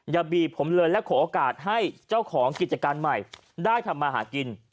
อย่าบีบผมเลยและขอโอกาสให้เจ้าของกิจการใหม่ได้ทำมาหากิน